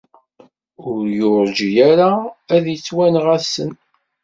Ur yurği ara ad yettwanɣa ass-n.